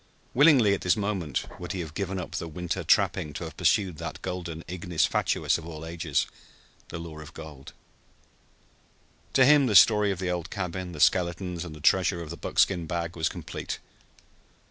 Willingly at this moment would he have given up the winter trapping to have pursued that golden ignis fatuus of all ages the lure of gold. To him the story of the old cabin, the skeletons and the treasure of the buckskin bag was complete.